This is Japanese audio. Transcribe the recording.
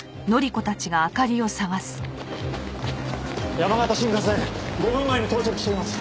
山形新幹線５分前に到着しています。